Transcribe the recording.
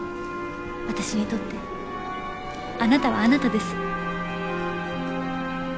私にとってあなたはあなたです。